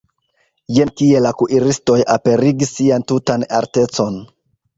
Jen kie la kuiristoj aperigis sian tutan artecon!